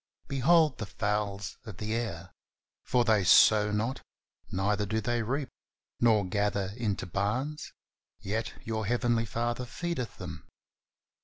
"Behold the fowls of the air, for they sow not, neither do they reap, nor gather into barns, yet your Heavenly Father feedeth them.